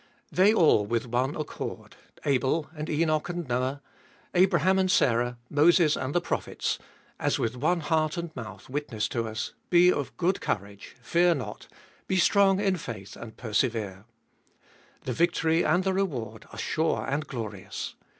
They all with one accord, Abel and Enoch and Noah, Abraham and Sarah, Moses and the prophets, as with one heart and mouth witness to us : Be of good courage, fear not ; be strong in faith, and persevere. The victory and the reward are sure and glorious.